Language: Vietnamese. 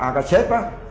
và nó bịt khẩu trang